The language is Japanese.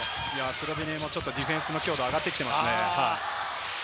スロベニアもディフェンスの強度がちょっと上がってきていますね。